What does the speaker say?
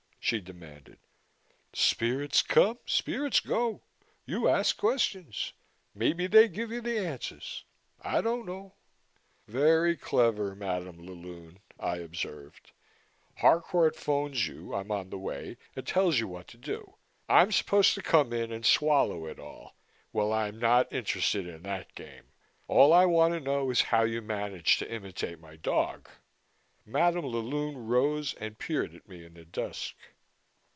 she demanded. "Spirits come, and spirits go. You ask questions. Maybe they give you the answers. I don't know." "Very clever, Madam la Lune," I observed. "Harcourt phones you I'm on my way and tells you what to do. I'm supposed to come in and swallow it all. Well, I'm not interested in that game. All I want to know is how you managed to imitate my dog?" Madam la Lune rose and peered at me in the dusk.